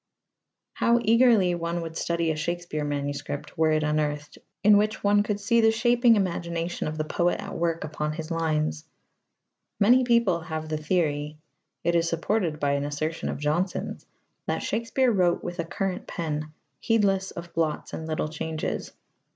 How eagerly one would study a Shakespeare manuscript, were it unearthed, in which one could see the shaping imagination of the poet at work upon his lines! Many people have the theory it is supported by an assertion of Jonson's that Shakespeare wrote with a current pen, heedless of blots and little changes.